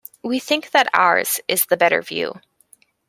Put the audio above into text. We think that ours is the better view.